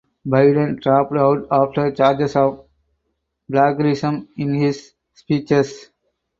Biden dropped out after charges of plagiarism in his speeches.